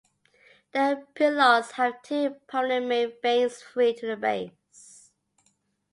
The phyllodes have two prominent main veins free to the base.